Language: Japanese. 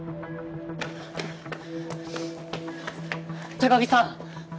高木さん！